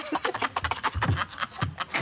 ハハハ